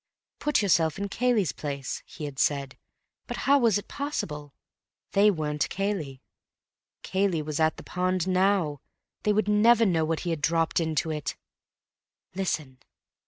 Put yourself in Cayley's place, he had said. But how was it possible? They weren't Cayley. Cayley was at the pond now. They would never know what he had dropped into it. Listen!....